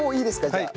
じゃあ。